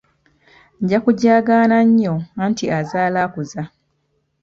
Nja kujaagaana nnyo anti azaala akuza.